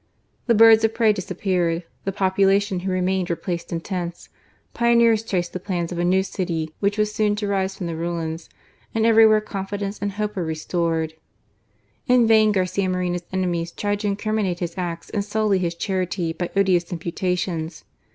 The birds of prey disappeared; the population who remained wei^ sliced in tents ; pioneers traced the plans of a new <4ty which was soon to rise from the ruins ; and ^yeiywhere confidence and hope were restored. In^ y^in Garcia Morenp's enemies tried to incriminate ^is acts and sully his charity by odious imputations.